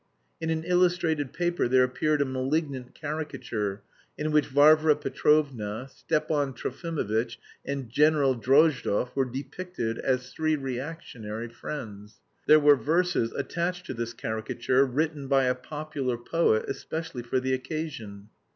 In an illustrated paper there appeared a malignant caricature in which Varvara Petrovna, Stepan Trofimovitch, and General Drozdov were depicted as three reactionary friends. There were verses attached to this caricature written by a popular poet especially for the occasion.